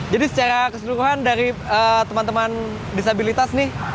jadi secara keseluruhan dari teman teman disabilitas nih